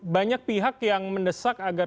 banyak pihak yang mendesak agar